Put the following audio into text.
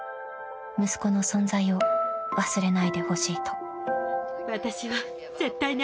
［息子の存在を忘れないでほしいと］